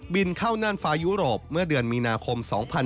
เข้าน่านฟ้ายุโรปเมื่อเดือนมีนาคม๒๕๖๒